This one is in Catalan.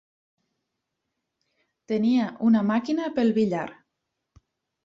Tenia una màquina pel billar.